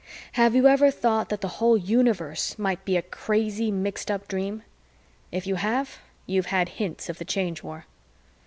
Have you ever thought that the whole universe might be a crazy, mixed up dream? If you have, you've had hints of the Change War.